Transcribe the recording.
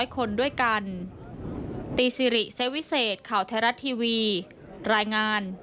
๑๔๐๐คนด้วยกัน